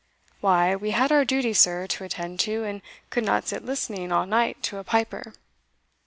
"Why, we had our duty, sir, to attend to, and could not sit listening all night to a piper."